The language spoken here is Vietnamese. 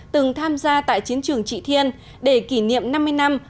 từng tham gia tại chiến trường trị thiên để kỷ niệm năm mươi năm